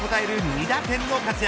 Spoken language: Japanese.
２打点の活躍。